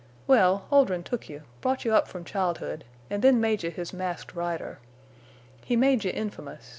Well—Oldrin' took you, brought you up from childhood, an' then made you his Masked Rider. He made you infamous.